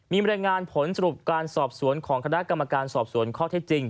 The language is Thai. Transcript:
มีบรรยายงานผลสรุปการสอบสวนของคณะกรรมการสอบสวนข้อเท็จจริง